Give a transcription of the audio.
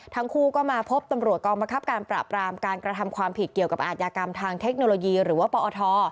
ทั้งคู่ก็มาพบตำรวจกองบังคับการปราบรามการกระทำความผิดเกี่ยวกับอาทยากรรมทางเทคโนโลยีหรือว่าปอท